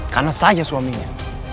karena saya suaminya